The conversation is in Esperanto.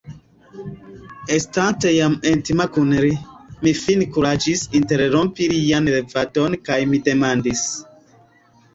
Estante jam intima kun li, mi fine kuraĝis interrompi lian revadon kaj mi demandis: